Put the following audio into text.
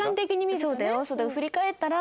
そうだよ。